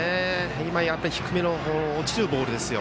今、低めの落ちるボールですよ。